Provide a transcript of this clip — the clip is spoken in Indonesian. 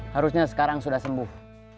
harusnya sekarang sudah sembuh